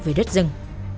về đất rừng